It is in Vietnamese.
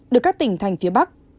được các tỉnh thành phía bắc